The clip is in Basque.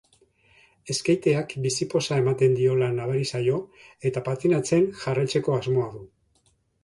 Skateak bizipoza ematen diola nabari zaio eta patinatzen jarraitzeko asmoa du.